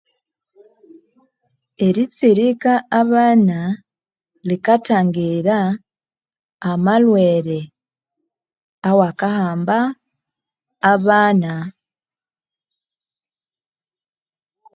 Eritsirika abana likathangira amlhwere awakahamba abana